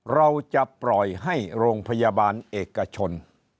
เราจะปล่อยให้โรงพยาบาลเอกชน